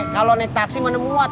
kalau naik taksi mana muat